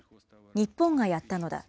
日本がやったのだ。